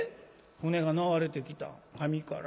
船が流れてきた上から。